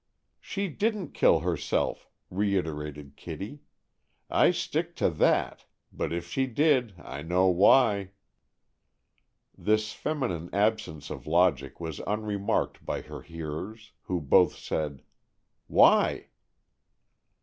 "She didn't kill herself," reiterated Kitty. "I stick to that, but if she did, I know why." This feminine absence of logic was unremarked by her hearers, who both said, "Why?"